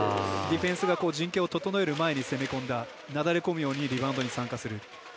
ディフェンスが陣形を整える前に攻め込んだなだれ込むようにリバウンドに参加する。